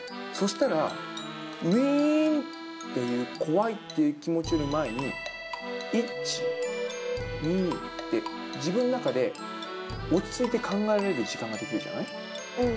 そしたら、うぃーんっていう怖いっていう気持ちの前に、１、２って、自分の中で落ち着いて考えられる時間ができるじゃない？